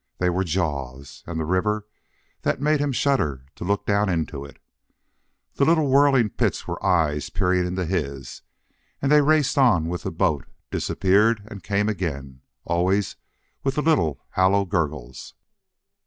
They were jaws. And the river that made him shudder to look down into it. The little whirling pits were eyes peering into his, and they raced on with the boat, disappeared, and came again, always with the little, hollow gurgles.